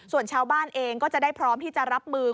ส่วนชาวบ้านเองก็จะได้พร้อมที่จะรับมือ